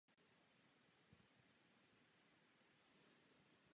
Kostel užívá její první brněnský sbor.